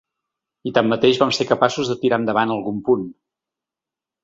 I tanmateix vam ser capaços de tirar endavant algun punt.